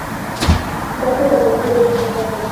Tabaka la viongozi wa kisiasa na wa kijeshi